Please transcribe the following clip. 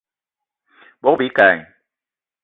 Bogb-ikali